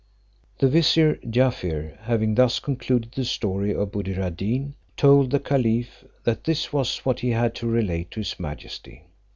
The vizier Jaaffier having thus concluded the story of Buddir ad Deen, told the caliph that this was what he had to relate to his majesty.